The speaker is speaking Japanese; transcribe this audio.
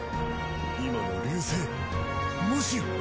今の流星もしや！